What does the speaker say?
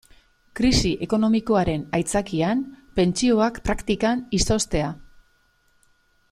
Krisi ekonomikoaren aitzakian pentsioak praktikan izoztea.